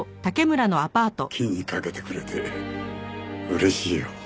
気にかけてくれて嬉しいよ。